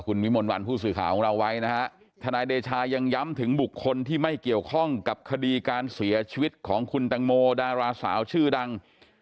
คุณวิมลวันผู้สื่อข่าวของเราไว้นะฮะทนายเดชายังย้ำถึงบุคคลที่ไม่เกี่ยวข้องกับคดีการเสียชีวิตของคุณตังโมดาราสาวชื่อดัง